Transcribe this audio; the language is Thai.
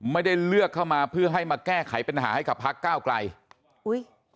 ไม่ได้เลือกเข้ามาเพื่อให้มาแก้ไขปัญหาให้กับพักเก้าไกลอุ้ย